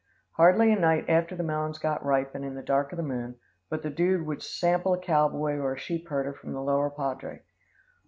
Hardly a night after the melons got ripe and in the dark of the moon, but the Dude would sample a cowboy or a sheep herder from the lower Poudre.